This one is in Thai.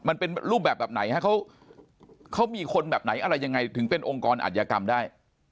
มันเป็นรูปแบบแบบไหนฮะเขามีคนแบบไหนอะไรยังไงถึงเป็นองค์กรอัธยกรรมได้